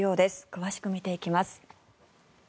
詳しく見ていきます。